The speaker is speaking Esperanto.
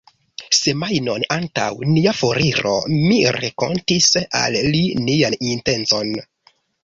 Semajnon antaŭ nia foriro mi rakontis al li nian intencon.